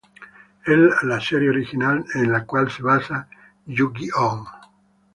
Es la serie original en la cual se basa "Yu-Gi-Oh!